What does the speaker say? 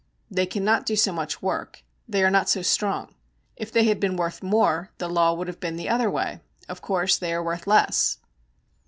They cannot do so much work; they are not so strong. If they had been worth more, the law would have been the other way; of course they are worth less.'